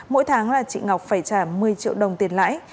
mỗi tháng là chị ngọc phải trả một mươi triệu đồng tiền lãi